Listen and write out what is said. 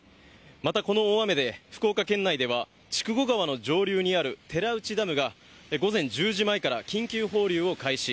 またこの大雨で、福岡県内では筑後川の上流にある寺内ダムが午前１０時前から緊急放流を開始。